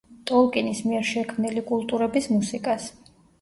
ტოლკინის მიერ შექმნილი კულტურების მუსიკას.